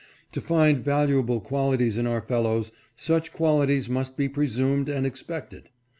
To find valuable qualities in our fellows, such qualities must be presumed and expected.